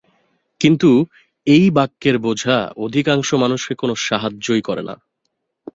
কিন্তু এই বাক্যের বোঝা অধিকাংশ মানুষকে কোনই সাহায্য করে না।